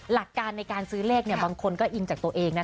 หลักการในการซื้อเลขบางคนก็อิงจากตัวเองนะ